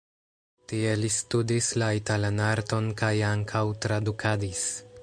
Tie li studis la italan arton kaj ankaŭ tradukadis.